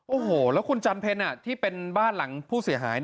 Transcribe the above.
โอ้โหแล้วคุณจันเพลที่เป็นบ้านหลังผู้เสียหาย